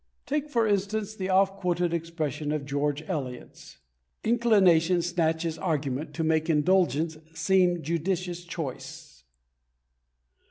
Take, for instance, the oft quoted expression of George Eliot's: "Inclination snatches argument to make indulgence seem judicious choice."